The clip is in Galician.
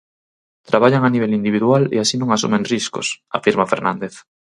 "Traballan a nivel individual e así non asumen riscos", afirma Fernández.